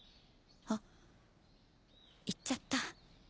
あっ言っちゃった。